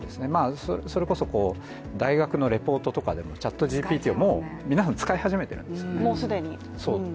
それこそ大学のレポートとかでもＣｈａｔＧＰＴをもう皆さん使い始めているんですね。